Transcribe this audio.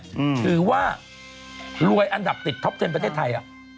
ถือว่ารวยอันดับติดท็อปเทนประเทศไทยอ่ะ